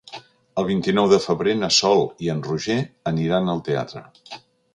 El vint-i-nou de febrer na Sol i en Roger aniran al teatre.